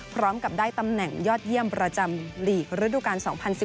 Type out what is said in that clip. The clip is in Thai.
พร้อมกับได้ตำแหน่งยอดเยี่ยมประจำลีกระดูกาล๒๐๑๙